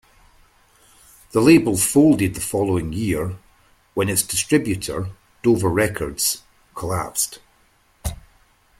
The label folded the following year, when its distributor, Dover Records, collapsed.